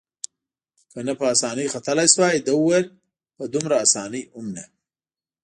که نه په اسانۍ ختلای شوای، ده وویل: په دومره اسانۍ هم نه.